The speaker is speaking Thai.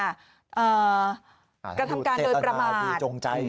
การทำการโดยประมาท